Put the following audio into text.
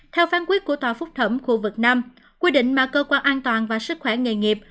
theo phán quyết của tòa phúc thẩm khu vực năm quy định mà cơ quan an toàn và sức khỏe nghề nghiệp